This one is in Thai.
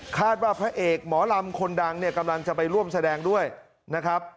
คาดว่าพระเอกหมอลำคนดังกำลังจะไปร่วมแสดงด้วยนะครับ